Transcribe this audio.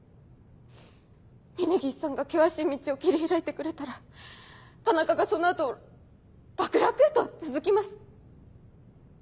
峰岸さんが険しい道を切り開いてくれたら田中がその後を楽々と続きます。